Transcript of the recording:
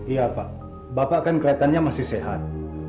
iya pak bapak kan kelihatannya masih sehat